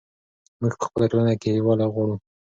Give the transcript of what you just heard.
موږ په خپله ټولنه کې یووالی غواړو.